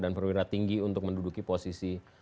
dan perwira tinggi untuk menetapkan sejumlah perwira tinggi